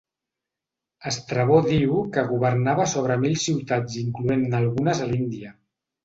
Estrabó diu que governava sobre mil ciutats incloent-ne algunes a l'Índia.